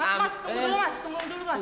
mas tunggu dulu mas tunggu dulu mas